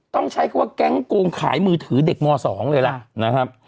ต้องใช้คำว่าแก๊งโกงขายมือถือเด็กม๒เลยล่ะนะครับ